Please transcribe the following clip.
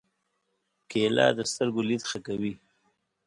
کېله د سترګو لید ښه کوي.